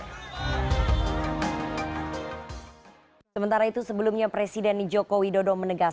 ketua umum partai garindra prabowo subianto